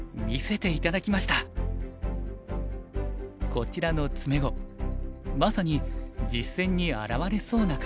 こちらの詰碁まさに実戦に現れそうな形。